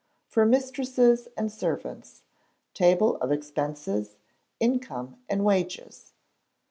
For Mistresses and Servants: Table of Expenses, Income and Wages.